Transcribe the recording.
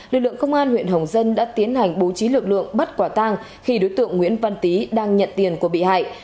lực lượng công an huyện hồng dân đã tiến hành bố trí lực lượng bắt quả tang khi đối tượng nguyễn văn tý đang nhận tiền của bị hại